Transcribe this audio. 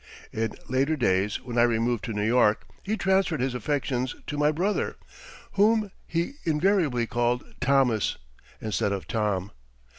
In later days when I removed to New York he transferred his affections to my brother, whom he invariably called Thomas, instead of Tom.